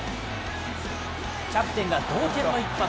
キャプテンが同点の１発。